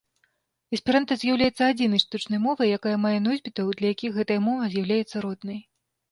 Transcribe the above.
Эсперанта з'яўляецца адзінай штучнай мовай, якая мае носьбітаў, для якіх гэтая мова з'яўляецца роднай.